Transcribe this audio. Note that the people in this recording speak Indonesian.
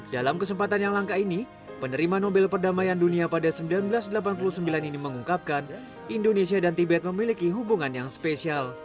dalam kesempatan yang langka ini penerima nobel perdamaian dunia pada seribu sembilan ratus delapan puluh sembilan ini mengungkapkan indonesia dan tibet memiliki hubungan yang spesial